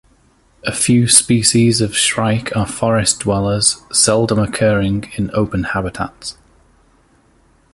A few species of shrike are forest dwellers, seldom occurring in open habitats.